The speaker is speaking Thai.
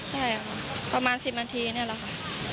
ใช่ค่ะประมาณ๑๐นาทีนี่แหละค่ะ